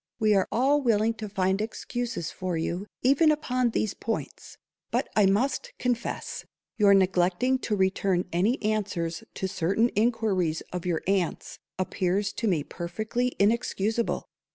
We are all willing to find excuses for you, even upon these points, but I must confess, your neglecting to return any answers to certain inquiries of your aunts', appears to me perfectly inexcusable.